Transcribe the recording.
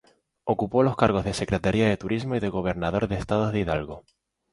Ocupó los cargos de Secretario de Turismo y de Gobernador del Estado de Hidalgo.